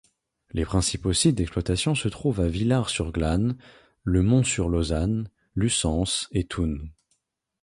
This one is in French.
Les principaux sites d'exploitation se trouvent à Villars-sur-Glâne, Le Mont-sur-Lausanne, Lucens et Thoune.